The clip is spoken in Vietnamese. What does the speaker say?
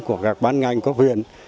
của các bán ngành của huyện